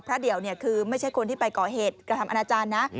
เดี่ยวคือไม่ใช่คนที่ไปก่อเหตุกระทำอนาจารย์นะ